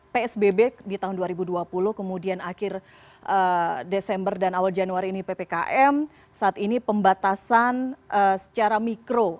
psbb di tahun dua ribu dua puluh kemudian akhir desember dan awal januari ini ppkm saat ini pembatasan secara mikro